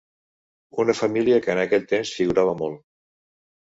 Una família que en aquell temps figurava molt.